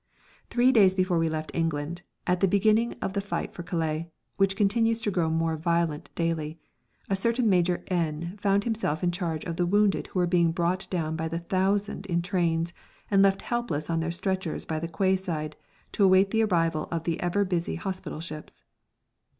Three days before we left England, at the beginning of the fight for Calais, which continues to grow more violent daily, a certain Major N found himself in charge of the wounded who were being brought down by the thousand in trains, and left helpless on their stretchers by the quayside to await the arrival of the ever busy hospital ships.